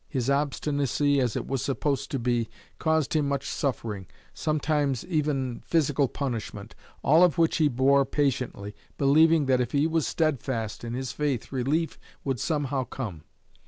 His obstinacy, as it was supposed to be, caused him much suffering, sometimes even physical punishment, all of which he bore patiently, believing that if he was steadfast in his faith relief would somehow come.